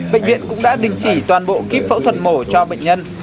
bệnh viện cũng đã đình chỉ toàn bộ kít phẫu thuật mổ cho bệnh nhân